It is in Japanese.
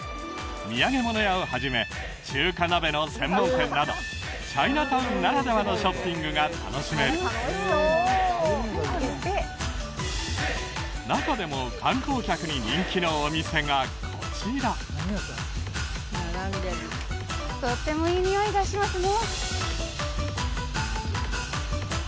土産物屋をはじめ中華鍋の専門店などチャイナタウンならではのショッピングが楽しめる中でも観光客に人気のお店がこちらとってもいいにおいがしますね